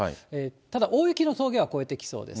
ただ大雪の峠は越えてきそうです。